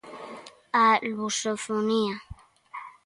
A lusofonía.